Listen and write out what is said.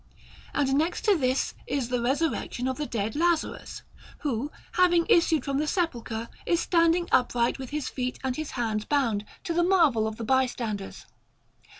And next to this is the Resurrection of the dead Lazarus, who, having issued from the sepulchre, is standing upright with his feet and his hands bound, to the marvel of the bystanders.